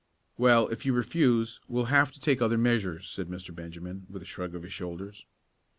"Well, if you refuse, we will have to take other measures," said Mr. Benjamin, with a shrug of his shoulders.